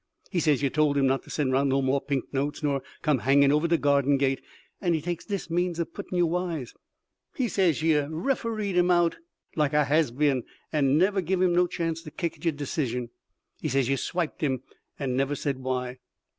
He says yer told him not to send 'round no more pink notes nor come hangin' over de garden gate, and he takes dis means of puttin' yer wise. He says yer refereed him out like a has been, and never give him no chance to kick at de decision. He says yer swiped him, and never said why."